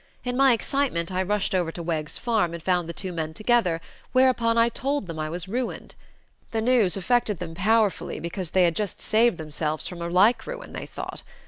In my excitement I rushed over to Wegg's farm and found the two men together, whereupon I told them I was ruined. "The news affected them powerfully because they had just saved themselves from a like ruin, they thought.